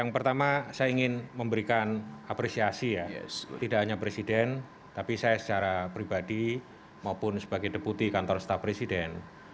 yang pertama saya ingin memberikan apresiasi ya tidak hanya presiden tapi saya secara pribadi maupun sebagai deputi kantor staf presiden